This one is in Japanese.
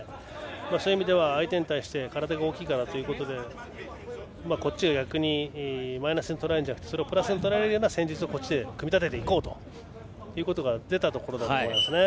そういう意味では相手に対して体が大きいからということでマイナスにとらえるんじゃなくてそれをプラスにとらえる戦術を組み立てようということが出たところだと思います。